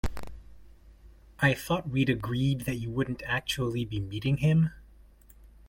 I thought we'd agreed that you wouldn't actually be meeting him?